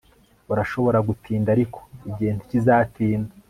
urashobora gutinda, ariko igihe ntikizatinda